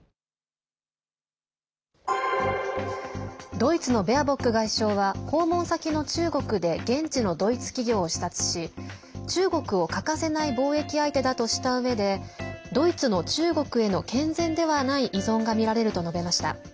ドイツのベアボック外相は訪問先の中国で現地のドイツ企業を視察し中国を欠かせない貿易相手だとしたうえでドイツの中国への健全ではない依存がみられると述べました。